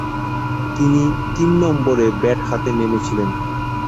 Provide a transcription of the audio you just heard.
তিনি তিন নম্বরে ব্যাট হাতে নেমেছিলেন।